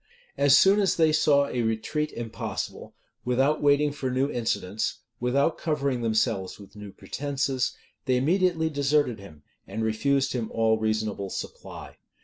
As soon as they saw a retreat impossible, without waiting for new incidents, without covering themselves with new pretences, they immediately deserted him, and refused him all reasonable supply.